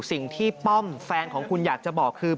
สิ่งที่ป้อมแฟนของคุณอยากจะบอกคือ